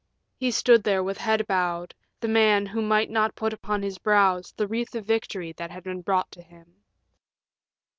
He stood there with head bowed, the man who might not put upon his brows the wreath of victory that had been brought to him.